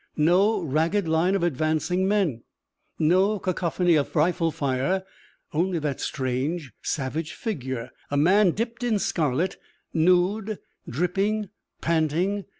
No ragged line of advancing men. No cacophony of rifle fire. Only that strange, savage figure. A man dipped in scarlet, nude, dripping, panting.